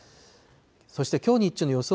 そしてきょう日中の予想